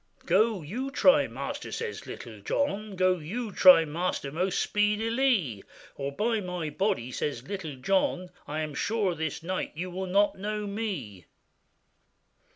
'Go, you try, master,' says Little John, 'Go, you try, master, most speedilie, Or by my body,' says Little John, 'I am sure this night you will not know me.